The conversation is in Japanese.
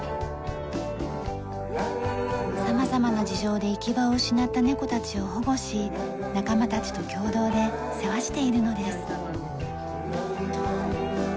様々な事情で行き場を失った猫たちを保護し仲間たちと共同で世話しているのです。